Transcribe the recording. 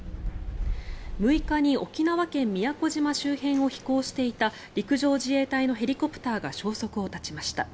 ６日に沖縄県・宮古島周辺を飛行していた陸上自衛隊のヘリコプターが消息を絶ちました。